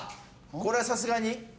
これはさすがに？